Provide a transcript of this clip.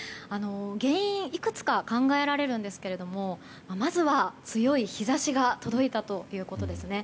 原因、いくつか考えられるんですがまずは強い日差しが届いたということですね。